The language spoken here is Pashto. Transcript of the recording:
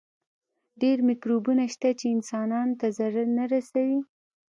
ډېر مکروبونه شته چې انسانانو ته ضرر نه رسوي.